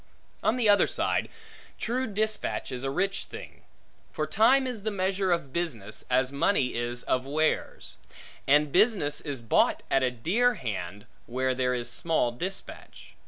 On the other side, true dispatch is a rich thing. For time is the measure of business, as money is of wares; and business is bought at a dear hand, where there is small dispatch.